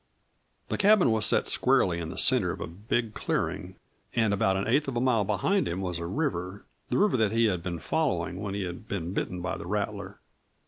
The cabin was set squarely in the center of a big clearing, and about an eighth of a mile behind him was a river the river that he had been following when he had been bitten by the rattler.